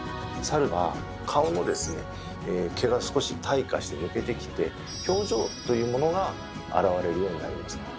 サルは顔の毛が少し退化して抜けてきて表情というものが表れるようになります。